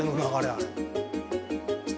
あれ。